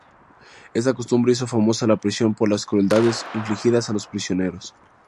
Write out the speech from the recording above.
Esta costumbre hizo famosa la prisión por las crueldades infligidas a los prisioneros.